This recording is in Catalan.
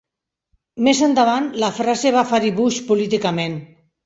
Més endavant, la frase va ferir Bush políticament.